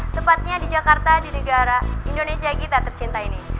tepatnya di jakarta di negara indonesia kita tercinta ini